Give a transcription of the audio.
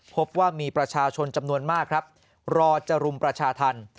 พบว่ามีประชาชนจำนวนมากครับรอจะรุมประชาธรรม